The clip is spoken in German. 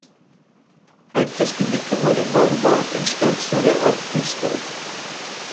Als das Gebiet gerodet worden war, entstand so der Ort Buisdorf.